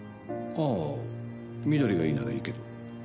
ああ、翠がいいならいいけど。